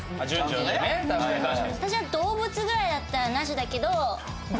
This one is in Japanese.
私は動物ぐらいだったらなしだけど。